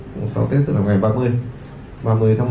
mùng sáu tết từ ngày ba mươi ba mươi tháng một